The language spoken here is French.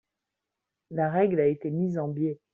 La règle a été mise en biais.